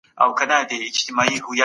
تودې اوبه بدن ته ګټه لري